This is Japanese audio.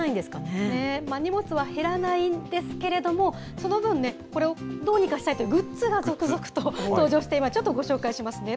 荷物は減らないんですけれども、その分ね、これをどうにかしたいというグッズが続々と登場して、ちょっとご紹介しますね。